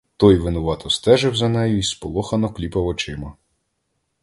Той винувато стежив за нею й сполохано кліпав очима.